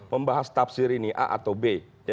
membahas tafsir ini a atau b